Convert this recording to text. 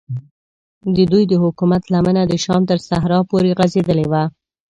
ددوی د حکومت لمنه د شام تر صحراو پورې غځېدلې وه.